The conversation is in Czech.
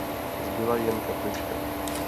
Zbyla jen kaplička.